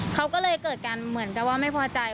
เขาก็เลยเกิดการเหมือนกับว่าไม่พอใจ